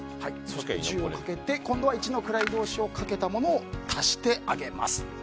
そして１０をかけて今度は一の位同士をかけたものを足してあげます。